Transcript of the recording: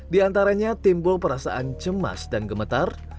di antaranya timbul perasaan cemas dan gemetar